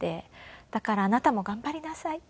「だからあなたも頑張りなさい」って。